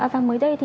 và mới đây thì